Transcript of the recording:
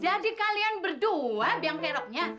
jadi kalian berdua biang keroknya